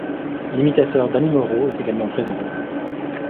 L'imitateur Dany Mauro est également présent.